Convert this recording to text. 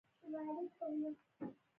ټول یو کتاب لري